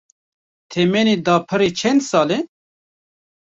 Temenê dapîrê çend sal e?